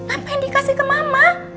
apa yang dikasih ke mama